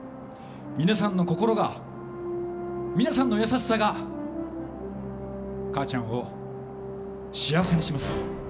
皆さんの心が、皆さんの優しさが母ちゃんを幸せにします。